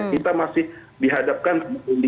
kita masih dihadapkan ke kondisi yang paling tinggi